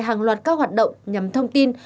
hàng loạt các hoạt động nhằm thông tin